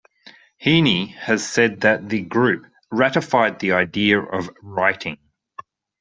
Heaney has said that the group "ratified the idea of writing".